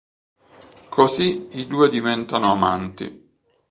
Così i due diventano amanti.